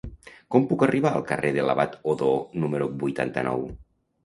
Com puc arribar al carrer de l'Abat Odó número vuitanta-nou?